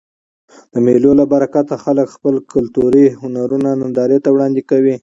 د مېلو له برکته خلک خپل کلتوري هنرونه نندارې ته وړاندي کوي.